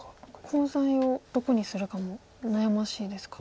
コウ材をどこにするかも悩ましいですか。